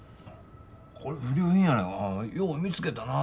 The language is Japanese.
これ不良品やないかよう見つけたな。